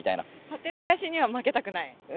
舘林には負けたくない？